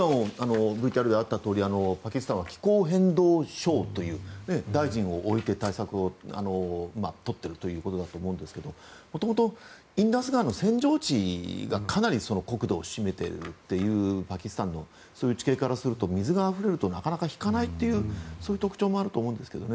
今、ＶＴＲであったようにパキスタンは気候変動相という大臣を置いて、対策をとっているということだと思いますがもともとインダス川の扇状地がかなり国土を占めているっていうパキスタンのそういう地形からすると水があふれるとなかなか引かないというそういう特徴もあると思います。